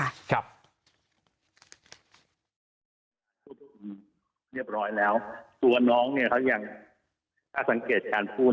เรียบร้อยแล้วตัวน้องเนี่ยเขายังถ้าสังเกตการพูด